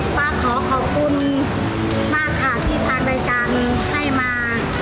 ฟ้าขอขอบคุณมากค่ะที่ทางรายการให้มา